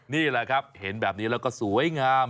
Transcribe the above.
นี่แหละครับเห็นแบบนี้แล้วก็สวยงาม